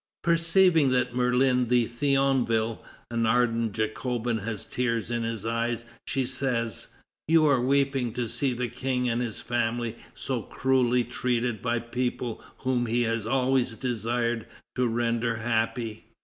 Perceiving that Merlin de Thionville, an ardent Jacobin, has tears in his eyes, she says: "You are weeping to see the King and his family so cruelly treated by people whom he has always desired to render happy."